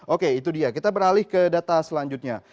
oke itu dia kita beralih ke data selanjutnya